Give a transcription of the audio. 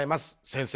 先生